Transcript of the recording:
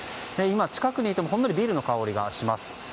今近くにいてもほんのりビールの香りがします。